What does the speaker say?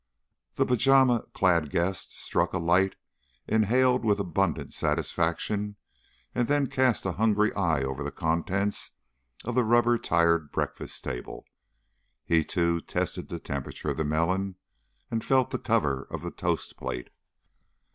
The pajama clad guest struck a light, inhaled with abundant satisfaction, and then cast a hungry eye over the contents of the rubber tired breakfast table. He, too, tested the temperature of the melon and felt the cover of the toast plate.